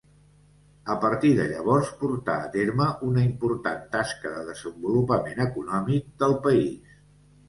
A partir de llavors portà a terme una important tasca de desenvolupament econòmic del país.